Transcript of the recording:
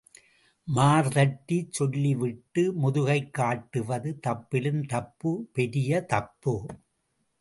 மார்த்தட்டி சொல்லி விட்டு, முதுகை காட்டுவது தப்பிலும் தப்பு... பெரிய தப்பு.